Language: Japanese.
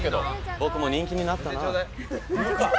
僕も人気になったなあ。